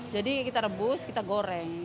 jadi kita rebus kita goreng